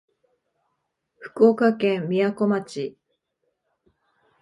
福岡県みやこ町